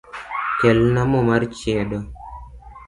Kelna mo mar chiedo